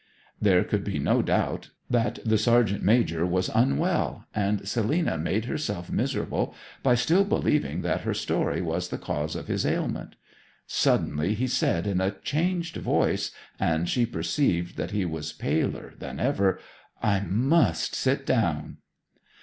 There could be no doubt that the sergeant major was unwell, and Selina made herself miserable by still believing that her story was the cause of his ailment. Suddenly he said in a changed voice, and she perceived that he was paler than ever: 'I must sit down.'